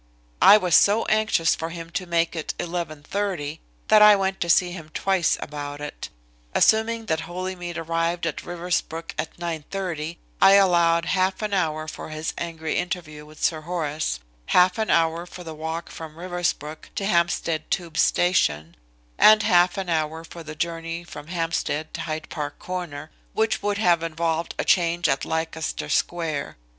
I was so anxious for him to make it 11.30 that I went to see him twice about it. Assuming that Holymead arrived at Riversbrook at 9.30, I allowed half an hour for his angry interview with Sir Horace, half an hour for the walk from Riversbrook to Hampstead Tube station, and half an hour for the journey from Hampstead to Hyde Park Corner, which would have involved a change at Leicester Square.